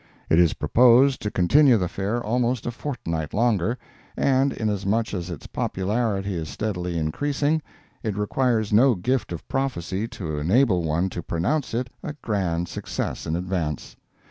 It is proposed to continue the Fair almost a fortnight longer, and inasmuch as its popularity is steadily increasing, it requires no gift of prophecy to enable one to pronounce it a grand success in advance.